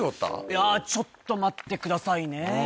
いやちょっと待ってくださいね。